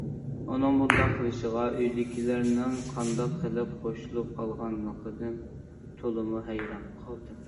ئۇنىڭ بۇنداق قىلىشىغا ئۆيدىكىلەرنىڭ قانداق قىلىپ قوشۇلۇپ قالغانلىقىدىن تولىمۇ ھەيران قالدىم.